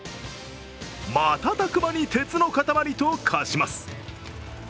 瞬く間に鉄の塊と化します。